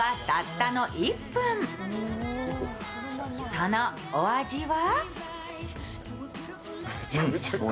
そのお味は？